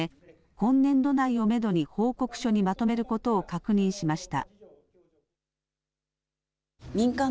今年度内をめどに報告書にまとめることを確認しました。